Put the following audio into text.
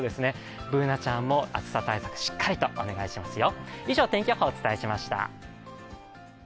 Ｂｏｏｎａちゃんも暑さ対策、しっかりとお願いしますよ。